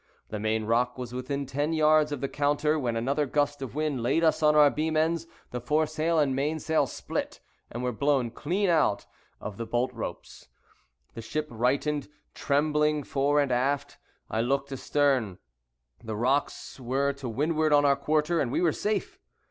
The main rock was within ten yards of the counter, when another gust of wind laid us on our beam ends, the foresail and mainsail split, and were blown clean out of the bolt ropes—the ship righted, trembling fore and aft. I looked astern:—the rocks were to windward on our quarter, and we were safe.